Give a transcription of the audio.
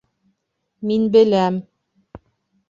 Мин беләм...